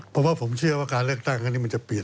เพราะว่าผมเชื่อว่าการเลือกตั้งครั้งนี้มันจะเปลี่ยน